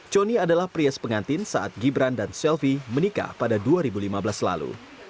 conny adalah prias pengantin saat gibran dan selvi menikah pada dua ribu lima belas lalu